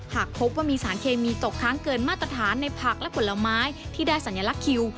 หากพบว่ามีสารเคมีตกค้างเกินมาตรฐานในผักและผลไม้ที่ได้สัญลักษณ์คิว